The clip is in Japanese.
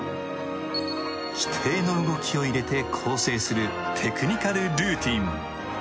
規定の動きを入れて構成するテクニカルルーティン。